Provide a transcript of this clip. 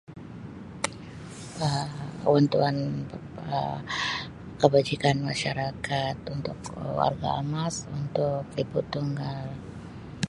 Bantuan [unintelligible] kebajikan masyarakat untuk warga amas untuk ibu tunggal.